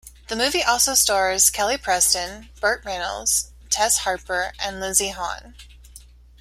The movie also stars Kelly Preston, Burt Reynolds, Tess Harper, and Lindsey Haun.